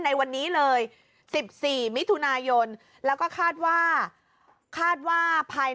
ในวันนี้เลยสิบสี่มิทุนายนต์แล้วก็คาดว่าคาดว่าภายใน